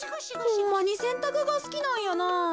ホンマにせんたくがすきなんやなぁ。